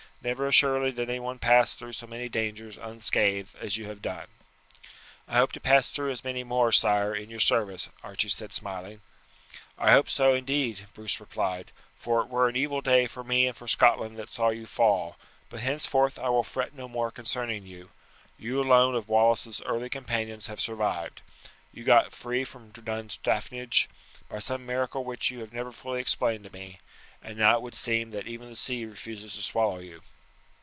Never assuredly did anyone pass through so many dangers unscathed as you have done." "I hope to pass through as many more, sire, in your service," Archie said smiling. "I hope so, indeed," Bruce replied; "for it were an evil day for me and for Scotland that saw you fall; but henceforth I will fret no more concerning you. You alone of Wallace's early companions have survived. You got free from Dunstaffnage by some miracle which you have never fully explained to me, and now it would seem that even the sea refuses to swallow you."